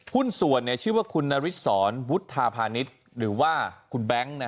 หุ้นส่วนชื่อว่าคุณนาริสรวุฒาพาณิชย์หรือว่าคุณแบงค์